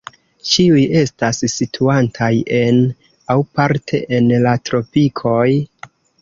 Ĉiuj estas situantaj en, aŭ parte en, la tropikoj.